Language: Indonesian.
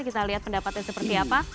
kita lihat pendapatnya seperti apa